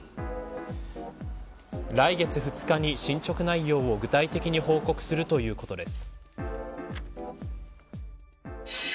来月２日に進捗内容を具体的に報告するということです。